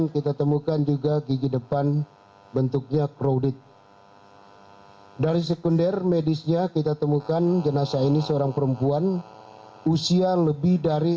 kita temukan adanya perawatan gigi